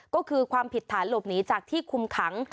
ก็คือความผิดฐานหลบหนีจากที่คุมขัง